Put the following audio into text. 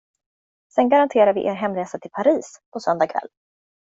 Sen garanterar vi er hemresa till Paris, på söndag kväll.